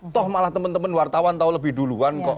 toh malah teman teman wartawan tahu lebih duluan kok